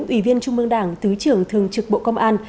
ủy viên trung mương đảng thứ trưởng thường trực bộ công an